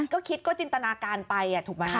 ก็คิดก็จินตนาการไปถูกไหม